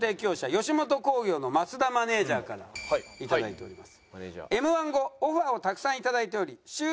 吉本興業の桝田マネジャーからいただいております。